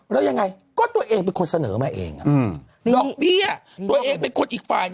แล้วยังไงก็ตัวเองเป็นคนเสนอมาเองดอกเบี้ยตัวเองเป็นคนอีกฝ่าย